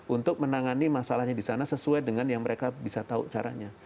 untuk menangani masalahnya di sana sesuai dengan yang mereka bisa tahu caranya